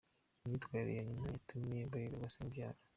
Imyitwarire ya nyina yatumye bayoberwa se umubyara